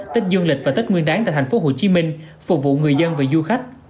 tết dương lịch và tết nguyên đáng tại thành phố hồ chí minh phục vụ người dân và du khách